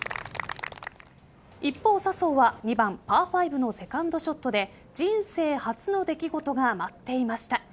一方、笹生は２番パー５のセカンドショットで人生初の出来事が待っていました。